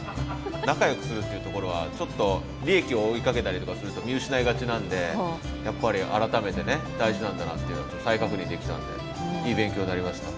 仲よくするっていうところはちょっと利益を追いかけたりとかすると見失いがちなんでやっぱり改めてね大事なんだなっていうのを再確認できたんでいい勉強になりました。